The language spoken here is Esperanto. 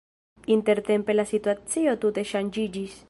Intertempe la situacio tute ŝanĝiĝis.